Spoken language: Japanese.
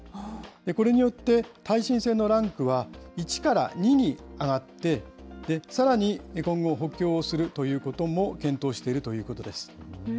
これによって、耐震性のランクは１から２に上がって、さらに今後、補強するということも検討しているということです。